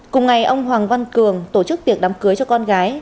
cùng ngày ông hoàng văn cường tổ chức tiệc đám cưới cho con gái